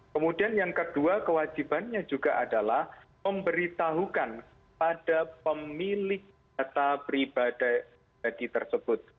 kemudian yang kedua kewajibannya juga adalah memberitahukan pada pemilik data pribadi tersebut